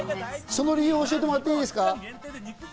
その理由を教えてもらっていいですか？